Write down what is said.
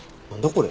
これ。